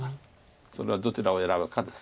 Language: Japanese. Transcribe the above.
それはどちらを選ぶかです。